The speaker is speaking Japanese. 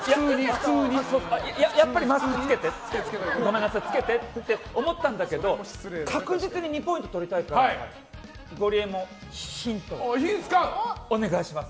やっぱりマスク着けてって思ったんだけど確実に２ポイント取りたいからゴリエもヒントをお願いします。